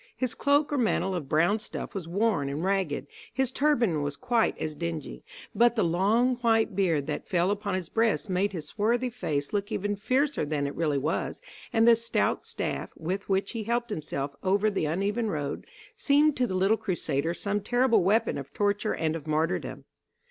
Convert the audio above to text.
His cloak or mantle of brown stuff was worn and ragged, his turban was quite as dingy, but the long white beard that fell upon his breast made his swarthy face look even fiercer than it really was, and the stout staff, with which he helped himself over the uneven road, seemed to the little crusaders some terrible weapon of torture and of martyrdom.